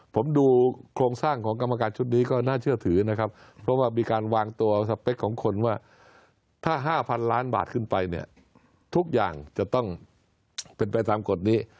ผมดูโครงสร้างของกรรมการชุดนี้ก็น่าเชื่อถือนะครับเพราะว่ามีการวางตัวสเปคของคนว่าถ้า๕๐๐๐ล้านบาทขึ้นไปเนี่ยทุกอย่างจะต้องเป็นไปตามกฎนี้